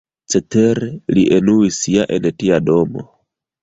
Cetere, li enuis ja en tia domo.